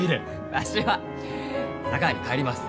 わしは佐川に帰ります。